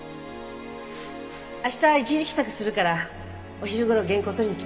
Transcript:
明日一時帰宅するからお昼頃原稿取りに来て。